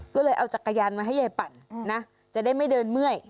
ก็เลยเอาจักรยานมาให้ยายปั่นนะจะได้ไม่เดินเมื่อย